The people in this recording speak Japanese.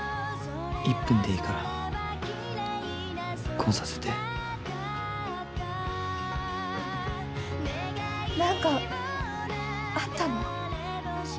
１分でいいからこうさせてなんかあったの？